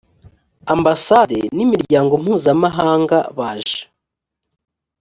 ambasade n imiryango mpuzamahanga baje